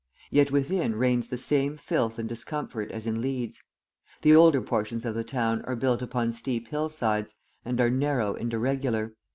Yet within reigns the same filth and discomfort as in Leeds. The older portions of the town are built upon steep hillsides, and are narrow and irregular.